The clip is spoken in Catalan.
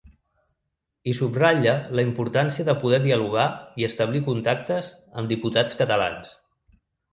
I subratlla la importància de poder dialogar i establir contactes amb diputats catalans.